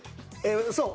そう。